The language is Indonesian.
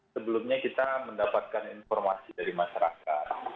sebelumnya kita mendapatkan informasi dari masyarakat